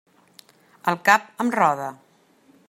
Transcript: El cap em roda.